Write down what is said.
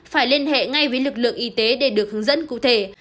phải liên hệ ngay với lực lượng y tế để được hướng dẫn cụ thể